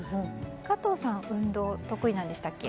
加藤さんは運動、得意なんでしたっけ？